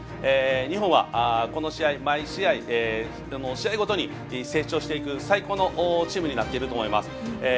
日本はこの試合、毎試合試合ごとに成長していく最高のチームになっていると思います。